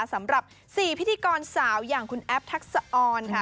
สำหรับ๔พิธีกรสาวอย่างคุณแอฟทักษะออนค่ะ